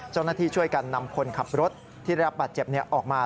เจ้าหน้าที่ช่วยกันนำคนขับรถที่ได้รับบาดเจ็บออกมา